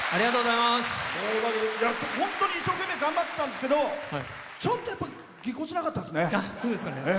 本当に一生懸命頑張ってたんですけどちょっと、やっぱりぎこちなかったですよね。